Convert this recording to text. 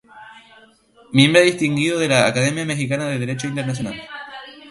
Miembro distinguido de la Academia Mexicana de Derecho Internacional.